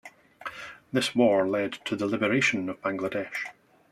This war led to the liberation of Bangladesh.